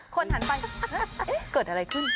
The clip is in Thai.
คนหันไปเกิดอะไรขึ้น